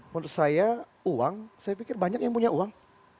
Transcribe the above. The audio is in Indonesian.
menurut saya uang saya pikir banyak yang punya uang